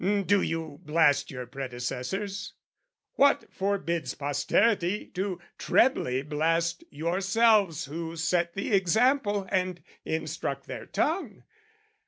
Do you blast your predecessors? What forbids Posterity to trebly blast yourselves Who set the example and instruct their tongue?